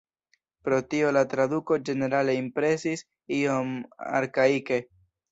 Pro tio la traduko ĝenerale impresis iom arkaike.